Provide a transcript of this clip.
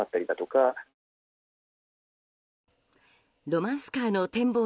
ロマンスカーの展望